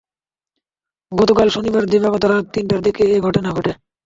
গতকাল শনিবার দিবাগত রাত তিনটার দিকে এ ঘটনা ঘটে।